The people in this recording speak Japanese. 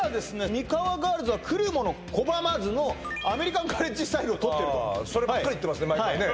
ミカワガールズは来る者拒まずのアメリカンカレッジスタイルをとってるとそればっかり言ってますね毎回ね